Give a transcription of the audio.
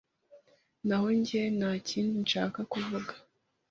Naho njye, ntakindi nshaka kuvuga.